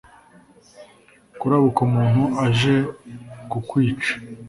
kurabukwa umuntu aje ku kwica